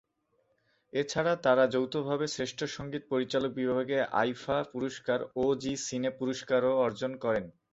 এছাড়া তারা যৌথভাবে শ্রেষ্ঠ সঙ্গীত পরিচালক বিভাগে আইফা পুরস্কার ও জি সিনে পুরস্কারও অর্জন করেন।